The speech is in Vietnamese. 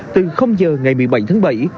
từ giờ ngày một mươi bảy tháng bảy